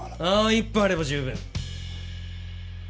１分あれば十分。